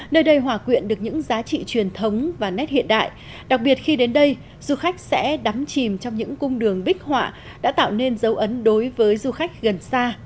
nơi đây hòa quyện được những giá trị truyền thống và nét hiện đại đặc biệt khi đến đây du khách sẽ đắm chìm trong những cung đường bích họa đã tạo nên dấu ấn đối với du khách gần xa